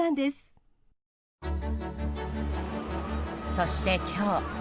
そして、今日。